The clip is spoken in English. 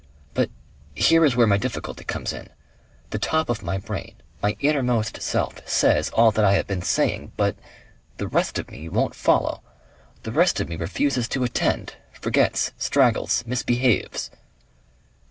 But here is where my difficulty comes in. The top of my brain, my innermost self says all that I have been saying, but The rest of me won't follow. The rest of me refuses to attend, forgets, straggles, misbehaves."